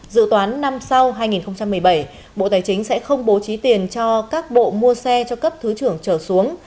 dự toán năm sau hai nghìn một mươi bảy bộ tài chính sẽ không bố trí tiền cho các bộ mua xe cho cấp thứ trưởng trở xuống